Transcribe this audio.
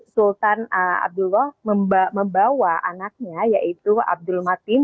sultan abdullah membawa anaknya yaitu abdul matin